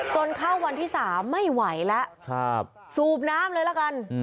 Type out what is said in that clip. จนเข้าวันที่๓ไม่ไหวแล้วสูบน้ำเลยละกัน